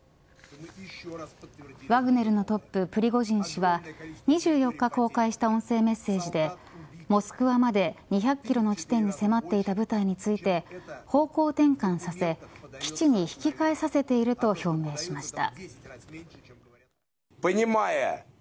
ワグネルのトッププリゴジン氏は２４日公開した音声メッセージでモスクワまで２００キロの地点に迫っていた部隊について方向転換させ基地に引き返させていると表明しました。